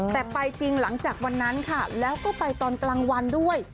แต่ไปจริงหลังจากวันนั้นค่ะแล้วก็ไปตอนกลางวันด้วย